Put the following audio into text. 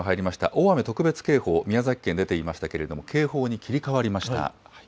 大雨特別警報、宮崎県出ていましたけれども、警報に切り替わりました。